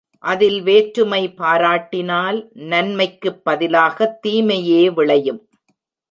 அதில் வேற்றுமை பாராட்டினால், நன்மைக்குப் பதிலாகத் தீமையே விளையும்.